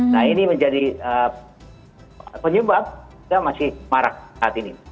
nah ini menjadi penyebab juga masih marak saat ini